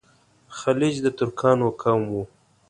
خلج د ترکانو قوم وو.